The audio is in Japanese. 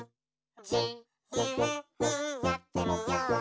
「じゆうにやってみよう」